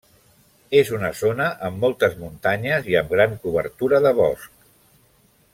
És una zona amb moltes muntanyes i amb gran cobertura de bosc.